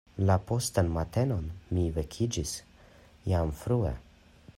La postan matenon mi vekiĝis jam frue.